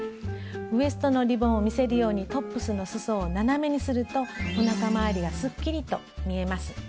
ウエストのリボンを見せるようにトップスのすそを斜めにするとおなかまわりがすっきりと見えます。